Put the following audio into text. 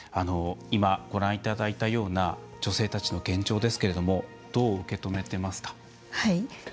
今、ご覧いただいたような女性たちの現状ですけどどう受け止めていますか。